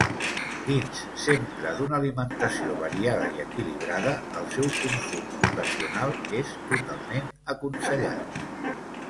Dins sempre d'una alimentació variada i equilibrada, el seu consum ocasional és totalment aconsellat.